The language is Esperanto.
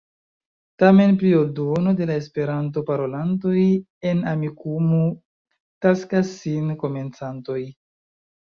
Tamen pli ol duono de la Esperanto-parolantoj en Amikumu taksas sin komencantoj.